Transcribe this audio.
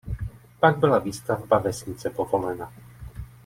Pak byla výstavba vesnice povolena.